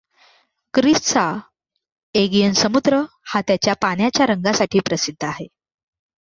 ग्रीसचा Aegon समुद्र हा त्याच्या पाण्याच्या रंगासाठी प्रसिद्ध आहे.